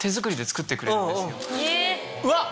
うわっ！